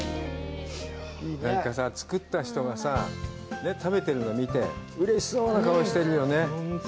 なんかさ、作った人がさ、食べてるのを見て、うれしそうな顔をしてるよね。